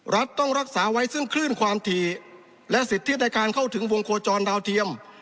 รัฐต้องรักษาไว้ซึ่งคลื่นความถี่และสิทธิในการเข้าถึงวงโคจรดาวเทียม